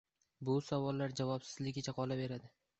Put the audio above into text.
bu savollar javobsizligicha qolaverdi.